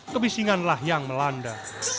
kebisinganlah yang melanda